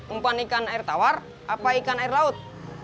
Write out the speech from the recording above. umpan ikan air tawar apa ikan air laut